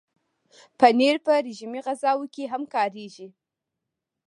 پنېر په رژیمي غذاوو کې هم کارېږي.